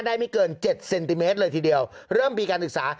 ไม่เกินเจ็ดเซนติเมตรเลยทีเดียวเริ่มมีการศึกษา